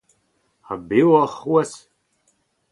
Ha bev oc’h c’hoazh ?